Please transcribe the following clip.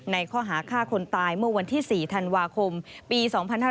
ข้อหาฆ่าคนตายเมื่อวันที่๔ธันวาคมปี๒๕๕๙